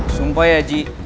sumpah ya ji